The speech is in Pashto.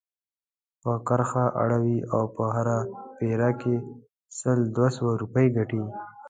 پر کرښه اړوي او په هره پيره کې سل دوه سوه روپۍ ګټي.